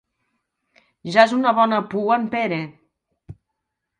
Ja és una bona pua, en Pere.